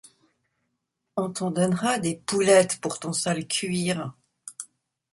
On t’en donnera, des poulettes, pour ton sale cuir !